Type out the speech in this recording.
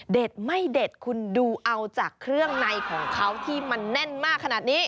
ไม่เด็ดคุณดูเอาจากเครื่องในของเขาที่มันแน่นมากขนาดนี้